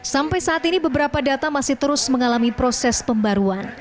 sampai saat ini beberapa data masih terus mengalami proses pembaruan